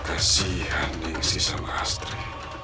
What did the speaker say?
kasihan nih si sama astri